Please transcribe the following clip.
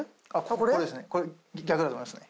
これ逆だと思いますね。